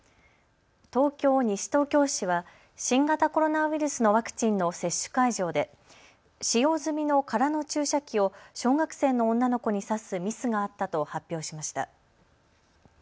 東京西東京市は新型コロナウイルスのワクチンの接種会場で使用済みの空の注射器を小学生の女の子に刺すミスがあったと発表しました。